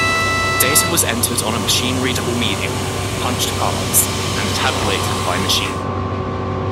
Data was entered on a machine readable medium, punched cards, and tabulated by machine.